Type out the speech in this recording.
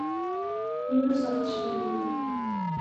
ნინო სახლში მიდიოდა